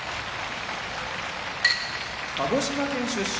鹿児島県出身